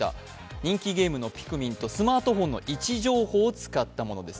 人気ゲームのピクミンとスマートフォンの位置情報を使ったものです。